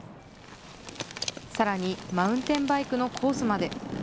さらに、マウンテンバイクのコースまで。